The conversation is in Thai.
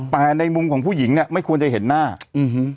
แต่ในมุมของผู้หญิงเนี้ยไม่ควรจะเห็นหน้าอืม